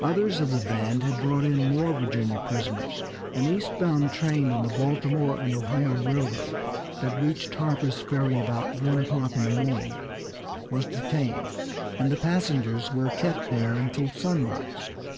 Others of the band had brought in more Virginia prisoners. An east bound train on the Baltimore and Ohio Railroad that reached Harper's Ferry about one o'clock in the morning was detained, and the passengers were kept there until sunrise.